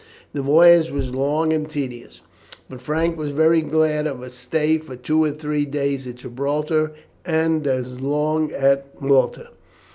The voyage was long and tedious, but Frank was very glad of a stay for two or three days at Gibraltar, and as long at Malta.